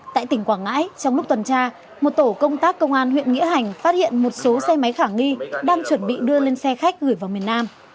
tại tỉnh quảng ngãi trong lúc tuần tra một tổ công tác công an huyện nghĩa hành phát hiện một số xe máy khả nghi đang chuẩn bị đưa lên xe khách gửi vào miền nam